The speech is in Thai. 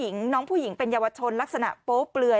น้องผู้หญิงเป็นเยาวชนลักษณะโป๊เปลือย